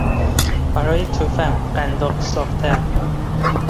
برای تفنگ قنداق ساختن